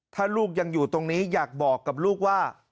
ถ้าลูกยังอยู่ตรงนี้อยากบอกกับลูกว่า